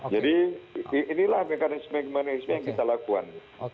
jadi inilah mekanisme mekanisme yang kita lakukan